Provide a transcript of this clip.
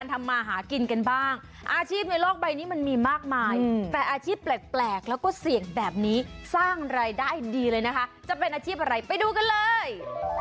ทำมาหากินกันบ้างอาชีพในโลกใบนี้มันมีมากมายแต่อาชีพแปลกแล้วก็เสี่ยงแบบนี้สร้างรายได้ดีเลยนะคะจะเป็นอาชีพอะไรไปดูกันเลย